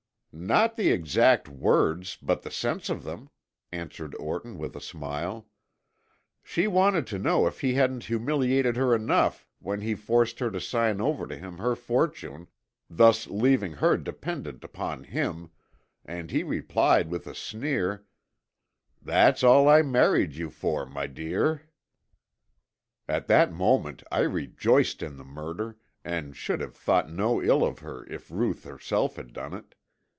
"Not the exact words, but the sense of them," answered Orton with a smile. "She wanted to know if he hadn't humiliated her enough when he forced her to sign over to him her fortune, thus leaving her dependent upon him, and he replied with a sneer, 'That's all I married you for, my dear.'" At that moment I rejoiced in the murder, and should have thought no ill of her if Ruth herself had done it.